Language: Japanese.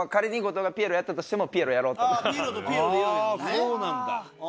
そうなんだ。